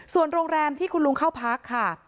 ส่วนโรงแรมที่คุณลุงเข้าพักค่ะ